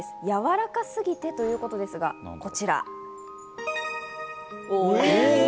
やわらかすぎてということですが、お！